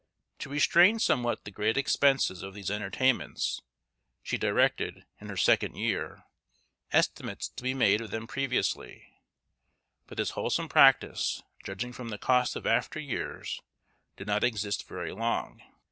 To restrain somewhat the great expenses of these entertainments, she directed, in her second year, estimates to be made of them previously; but this wholesome practice, judging from the cost of after years, did not exist very long.